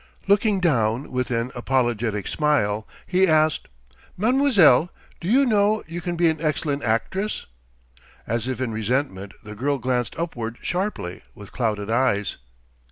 Looking down with an apologetic smile, he asked: "Mademoiselle, do you know you can be an excellent actress?" As if in resentment the girl glanced upward sharply, with clouded eyes.